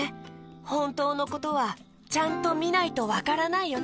ほんとうのことはちゃんとみないとわからないよね。